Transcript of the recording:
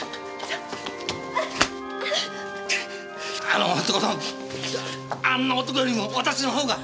あの男のあんな男よりも私の方が！